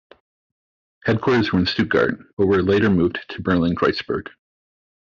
Headquarters were in Stuttgart, but were later moved to Berlin-Kreuzberg.